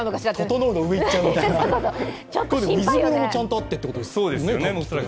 ととのうのうえいっちゃうみたいな水風呂もちゃんとあるということですよね。